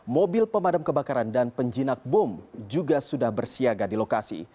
mobil pemadam kebakaran dan penjinak bom juga sudah bersiaga di lokasi